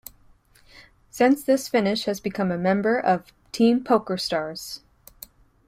Since this finish has become a member of Team PokerStars.